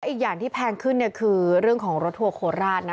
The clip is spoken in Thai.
อีกอย่างที่แพงขึ้นเนี่ยคือเรื่องของรถทัวร์โคราชนะ